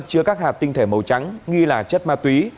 chứa các hạt tinh thể màu trắng nghi là chất ma túy